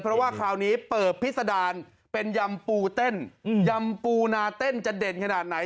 เพราะว่าคราวนี้เปิดพิษดารเป็นยำปูเต้นยำปูนาเต้นจะเด่นขนาดไหน